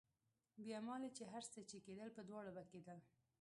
بيا مالې هر څه چې کېدل په دواړو به کېدل.